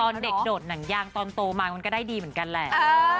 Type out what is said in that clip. ตอนเด็กโดดหนังยางตอนโตมามันก็ได้ดีเหมือนกันแหละ